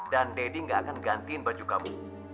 dan daddy gak akan gantiin baju kamu